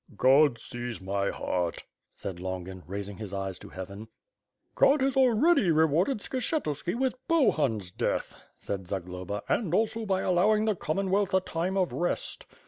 "God sees my heart," said Longin, raising his eyes to heaven. "God has already rewarded Skshetuski with Bohun's death," said Zagloba, "and also by allowing the Common wealth a time of rest.